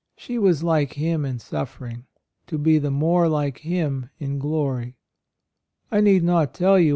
She was like Him in suffering, to be the more like Him in glory. I need not tell you